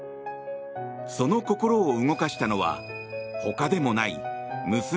その心を動かしたのは他でもない娘